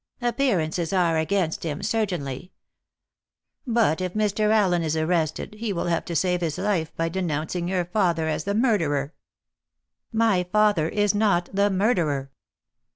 "Appearances are against him, certainly. But if Mr. Allen is arrested, he will have to save his life by denouncing your father as the murderer." "My father is not the murderer."